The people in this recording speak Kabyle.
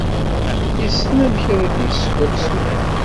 Yessen amek ara d-yesseww aksum.